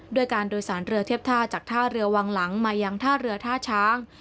ด้วยการโดยสารเรือเทียบท่าจากท่าเรือวังหลังมายังท่าเรือท่าช้าง